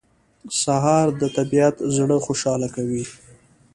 سهار د طبیعت زړه خوشاله کوي.